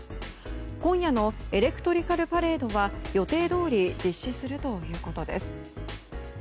今夜のエレクトリカルパレードは予定どおり実施するということです。